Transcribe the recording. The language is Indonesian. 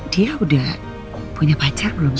dia udah punya pacar belum sih